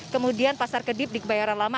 kemudian pasar kedip di kebayaran lama